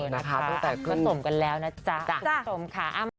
มาสมกันแล้วนะจ๊ะ